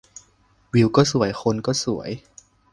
วิวก็สวย คนก็สวย